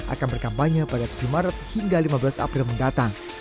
akan berkampanye pada tujuh maret hingga lima belas april mendatang